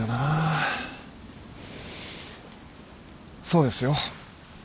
そうですよ。